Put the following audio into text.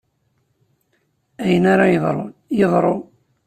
Ayen ara yeḍrun, yeḍru.